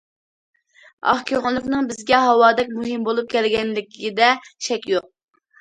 ئاق كۆڭۈللۈكنىڭ بىزگە ھاۋادەك مۇھىم بولۇپ كەلگەنلىكىدە شەك يوق.